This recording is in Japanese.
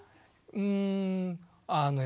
うんあの